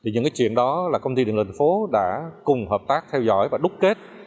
những chuyện đó là công ty điện lực thành phố đã cùng hợp tác theo dõi và đúc kết